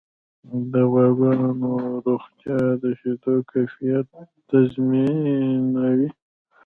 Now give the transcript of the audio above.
د غواګانو روغتیا د شیدو کیفیت تضمینوي.